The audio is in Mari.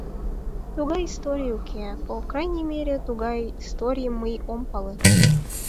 Тугай историй уке, по крайней мере, тугай историйым мый ом пале.